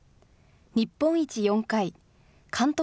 日本一４回、監督